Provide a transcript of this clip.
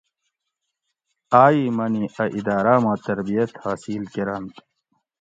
آئی منی ا اداراۤ ما تربیت حاصل کۤرنت